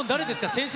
先生？